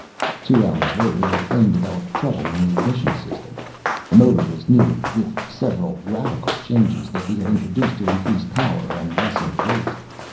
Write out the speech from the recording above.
Two hours later the plane developed trouble in the ignition system. The motor was new, with several radical changes that we had introduced to increase power and lessen weight.